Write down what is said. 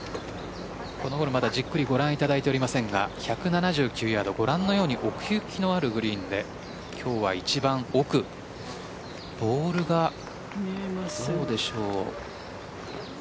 このホール、まだじっくりご覧いただいておりませんが１７９ヤードご覧のように奥行きのあるグリーンで今日は一番奥ボールが、どうでしょう。